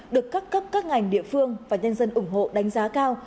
được các cấp các ngành địa phương và nhân dân ủng hộ đánh giá cao